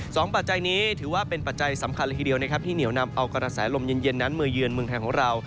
ปัจจัยนี้ถือว่าเป็นปัจจัยสำคัญเลยทีเดียวนะครับที่เหนียวนำเอากระแสลมเย็นนั้นมาเยือนเมืองไทยของเรา